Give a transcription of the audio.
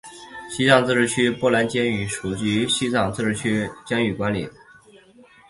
西藏自治区波密监狱是隶属于西藏自治区监狱管理局的监狱。